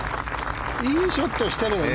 いいショットしてるよね。